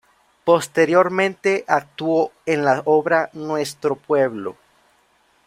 Posteriormente actuó en la obra "Nuestro pueblo".